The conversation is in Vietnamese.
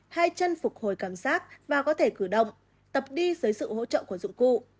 hai chân phục hồi cảm giác và có thể cử động tập đi dưới sự hỗ trợ của dụng cụ